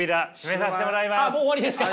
あっもう終わりですか。